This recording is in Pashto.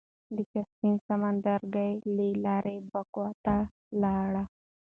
د کاسپين سمندرګي له لارې باکو ته لاړ.